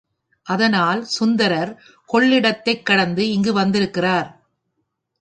அதனால் சுந்தரர் கொள்ளிடத்தைக் கடந்து இங்கு வந்திருக்கிறார்.